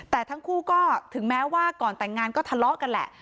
แต่ทั้งคู่ก็ถึงแม้ว่าก่อนแต่งงานก็ทะเลาะกันแหละ